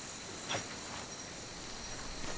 はい。